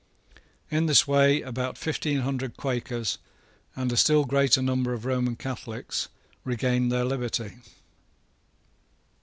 In this way about fifteen hundred Quakers, and a still greater number of Roman Catholics, regained their liberty.